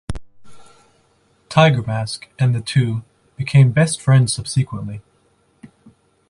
Tiger Mask, and the two became best friends subsequently.